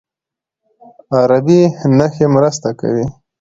عربي نښې مرسته کوي.